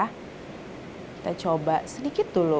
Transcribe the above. kita coba sedikit dulu